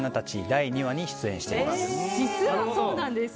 第２話に出演しています。